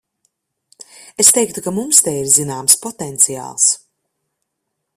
Es teiktu, ka mums te ir zināms potenciāls.